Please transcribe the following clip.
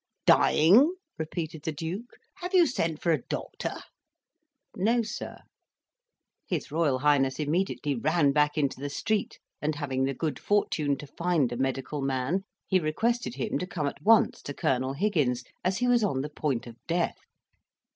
"Dying!" repeated the Duke; "have you sent for a doctor?" "No, sir." His Royal Highness immediately ran back into the street, and, having the good fortune to find a medical man, he requested him to come at once to Colonel Higgins, as he was on the point of death.